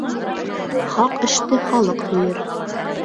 Хаҡ эште халыҡ һөйөр.